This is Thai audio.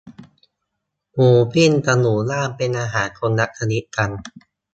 หมูปิ้ง กับหมูย่าง เป็นอาหารคนละชนิดกัน